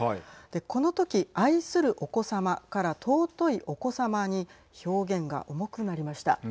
この時、愛するお子様から尊いお子様に表現が重くなりました。